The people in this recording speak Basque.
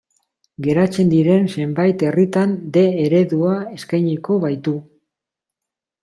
Geratzen diren zenbait herritan D eredua eskainiko baitu.